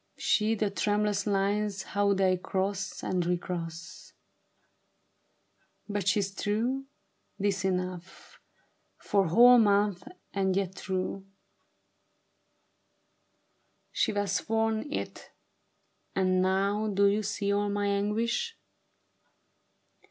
See the tremulous lines How they cross and recross. But she's true ; 'tis enough, Four whole months and yet true. She has sworn it, and now Do you see all my anguish